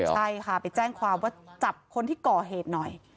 ใช่ค่ะไปแจ้งความว่าจับคนที่ก่อเหตุหน่อย